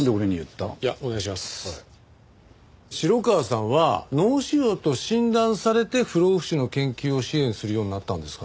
城川さんは脳腫瘍と診断されて不老不死の研究を支援するようになったんですかね？